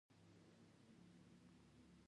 لومړی څپرکی په دې برخه کې عمومي بحث کوي.